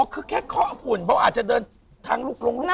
อ๋อคือแค่ข้ออะฝึนเขาอาจจะเดินทางลูกลงลูกล่างมา